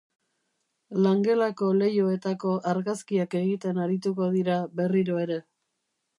Langelako leihoetako argazkiak egiten arituko dira berriro ere.